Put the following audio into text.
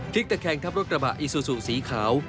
คลิกตะแคนกับรถกระบะอิซูซุสีขาว